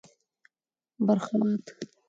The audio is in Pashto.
بر خوات: